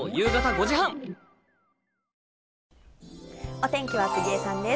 お天気は杉江さんです。